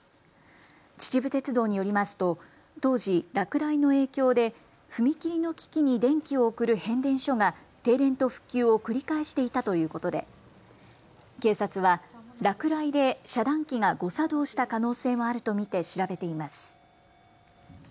秩父鉄道によりますと当時、落雷の影響で踏切の機器に電気を送る変電所が停電と復旧を繰り返していたということで警察は落雷で遮断機が誤作動した可能性もあると見て調べています。